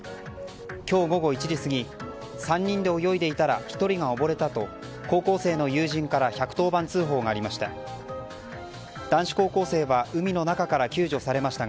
今日午後１時過ぎ３人で泳いでいたら１人が溺れたと高校生の友人から１１０番通報がありました。